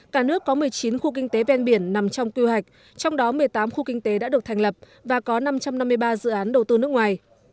cả nước có một mươi chín khu kinh tế ven biển nằm trong quy hoạch trong đó một mươi tám khu kinh tế đã được thành lập và có năm trăm năm mươi ba dự án đầu tư nước ngoài